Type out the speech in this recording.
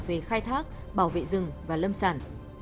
về khai thác bảo vệ rừng và lâm sản